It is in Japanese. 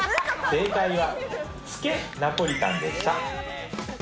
正解は、つけナポリタンでした。